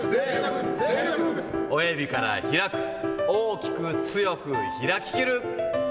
親指から開く、大きく強く、開ききる。